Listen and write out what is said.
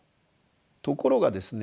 ところがですね